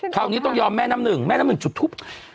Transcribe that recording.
คราวนี้ต้องยอมแม่น้ำหนึ่งแม่น้ำหนึ่งจุดทุบ